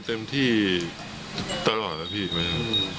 เต็มที่ตลอดแล้วพี่